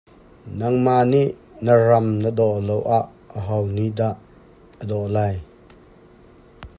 Nangmah nih na ram na dawt loah aho nih dah a dawt lai?